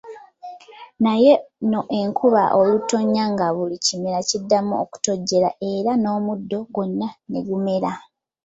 Naye nno enkuba olutonya nga buli kimera kiddamu okutojjera era n'omuddo gwonna ne gumera.